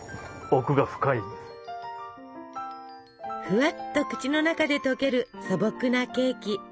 ふわっと口の中で溶ける素朴なケーキ。